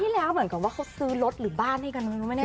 ปีที่แล้วเหมือนกับซื้อรถหรือบ้านให้กัน